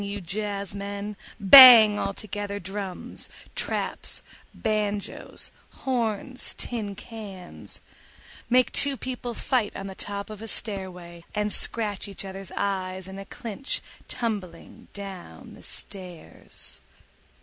you jazzmen, bang altogether drums, traps, banjoes, horns, tin cans—make two people fight on the top of a stairway and scratch each other's eyes in a clinch tumbling down the stairs.